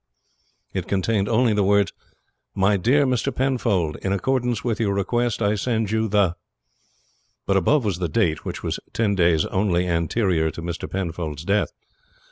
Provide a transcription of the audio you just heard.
It contained only the words: "My dear Mr. Penfold In accordance with your request I send you the " But above was the date, which was ten days only anterior to Mr. Penfold's death.